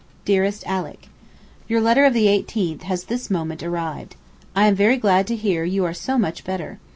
DEAREST ALICK, Your letter of the 18th has this moment arrived. I am very glad to hear you are so much better.